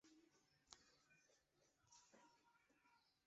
太白深灰槭为槭树科槭属下的一个亚种。